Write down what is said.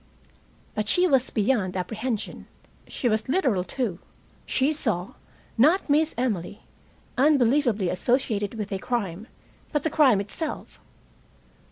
But she was beyond apprehension. She was literal, too. She saw, not Miss Emily unbelievably associated with a crime, but the crime itself.